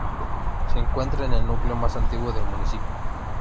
Se encuentra en el núcleo más antiguo del municipio.